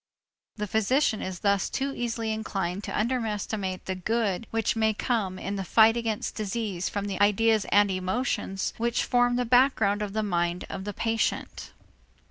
The physician is thus too easily inclined to underestimate the good which may come in the fight against disease from the ideas and emotions which form the background of the mind of the patient.